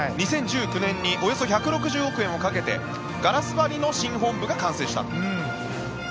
２０１９年におよそ１６０億円をかけてガラス張りの新本部が完成した。